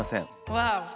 ワオ！